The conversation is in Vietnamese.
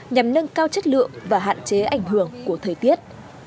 nhằm nâng cao chất lượng và hạn chế ảnh hưởng của thời tiết